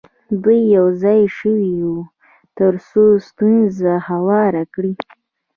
دوی یو ځای شوي وي تر څو ستونزه هواره کړي.